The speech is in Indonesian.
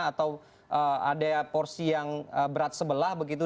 atau ada porsi yang berat sebelah begitu